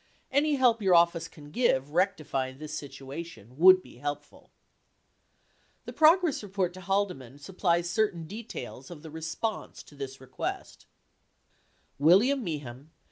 Any help your office can give rectifying this situation would be help ful. 95 The progress report to Haldeman supplies certain details of the response to this request, 83 Malek exhibit No.